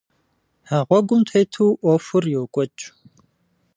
А гъуэгум тету Ӏуэхур йокӀуэкӀ.